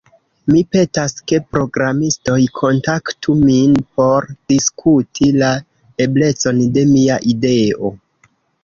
Mi petas ke programistoj kontaktu min por diskuti la eblecon de mia ideo.